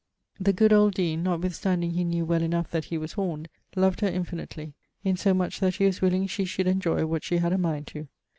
The good old deane, notwithstanding he knew well enough that he was horned, loved her infinitely: in so much that he was willing she should enjoy what she had a mind to.